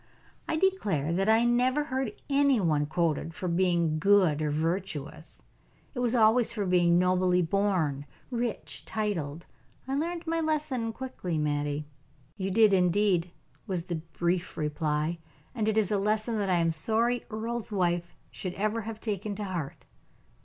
I declare that I never heard any one quoted for being good or virtuous; it was always for being nobly born, rich, titled. I learned my lesson quickly, Mattie." "You did, indeed," was the brief reply, "and it is a lesson that I am sorry Earle's wife should ever have taken to heart."